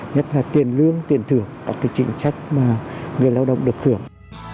nhất là tiền lương tiền thưởng các cái chính trách mà người lao động được hưởng